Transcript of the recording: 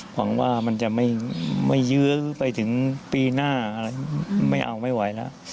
หวังว่ามันจะไม่ยื้อไปถึงปีหน้าอะไรไม่เอาไม่ไหวแล้ว